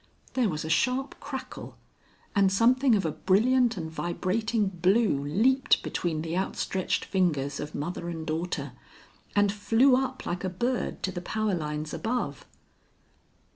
There was a sharp crackle, and something of a brilliant and vibrating blue leaped between the out stretched fingers of mother and daughter, and flew up like a bird to the power lines above.